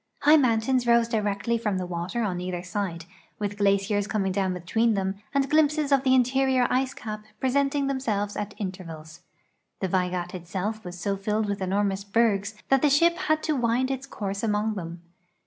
High mountains rose directly from the water on either side, with glaciers coming down between them and glimpses of the interior ice cap presenting themselves at intervals. The Vaigat itself was so filled with enormous bergs that the shiji had to wind its course among them.